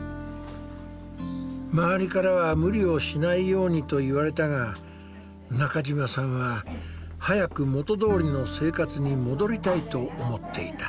周りからは無理をしないようにと言われたが中嶋さんは早く元どおりの生活に戻りたいと思っていた。